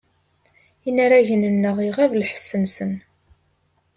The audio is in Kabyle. Inaragen-nneɣ iɣab lḥess-nsen.